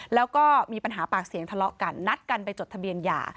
แล้วก็มีปัญหาปากเสียงทะเลาะกันนัดกันไปจดทะเบียนหย่า